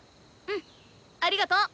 うんありがとう。